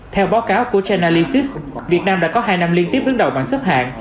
theo báo cáo của chainalysis việt nam đã có hai năm liên tiếp đứng đầu bằng sấp hạng